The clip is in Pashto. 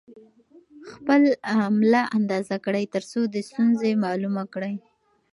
خپل ملا اندازه کړئ ترڅو د ستونزې معلومه کړئ.